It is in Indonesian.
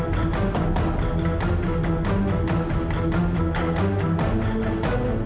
terima kasih banyak ya bu